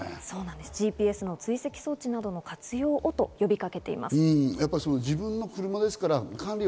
ＧＰＳの追跡装置などの活用をと呼びかけています。